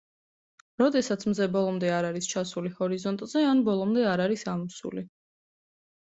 როდესაც მზე ბოლომდე არ არის ჩასული ჰორიზონტზე ან ბოლომდე არ არის ამოსული.